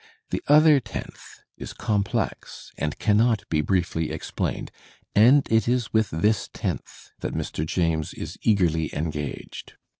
The other tenth is complex and cannot be briefly explained, and it is with this tenth that Mr. James is eagerly engaged.